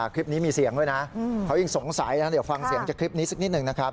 คลิปนี้มีเสียงด้วยนะเขายังสงสัยนะเดี๋ยวฟังเสียงจากคลิปนี้สักนิดหนึ่งนะครับ